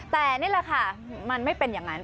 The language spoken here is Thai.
แต่นี่แหละค่ะมันไม่เป็นอย่างนั้น